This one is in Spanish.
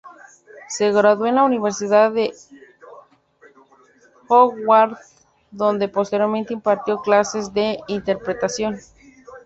Se graduó en la Universidad de Howard donde posteriormente impartió clases de interpretación.